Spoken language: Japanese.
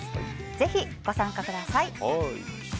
ぜひご参加ください。